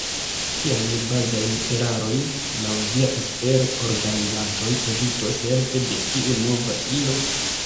Kiajn bazajn erarojn, laŭ via espero, organizantoj evitos helpe de tiu nova ilo?